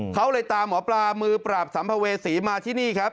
เขาเลยตามหมอปลามือปราบสัมภเวษีมาที่นี่ครับ